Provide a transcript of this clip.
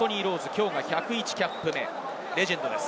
きょうが１０１キャップ目、レジェンドです。